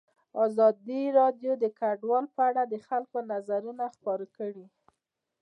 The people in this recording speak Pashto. ازادي راډیو د کډوال په اړه د خلکو نظرونه خپاره کړي.